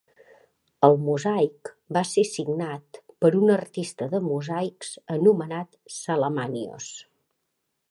El mosaic va ser signat per un artista de mosaics anomenat Salamanios.